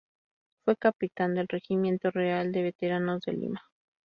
Fue capitán del Regimiento Real de veteranos de Lima.